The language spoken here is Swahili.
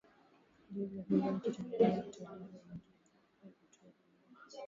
ndivyo ilivyo nchini Tanzania watalii wengihutembelea vivutio hivyo